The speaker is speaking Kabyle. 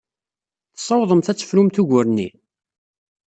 Tessawḍemt ad tefrumt ugur-nni?